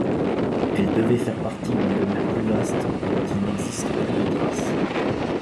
Elle devait faire partie d'une demeure plus vaste, dont il n'existe plus de trace.